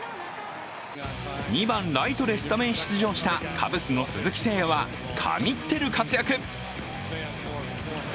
２番・ライトでスタメン出場したカブスの鈴木誠也は神ってる活躍。